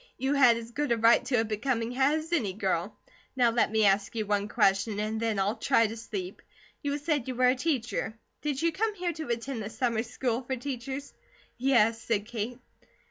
"You had as good a right to a becoming hat as any girl. Now let me ask you one question, and then I'll try to sleep. You said you were a teacher. Did you come here to attend the Summer School for Teachers?" "Yes," said Kate.